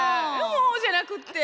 「もう」じゃなくって。